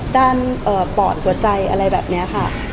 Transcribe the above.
ด้านปอดหัวใจอะไรแบบนี้ค่ะ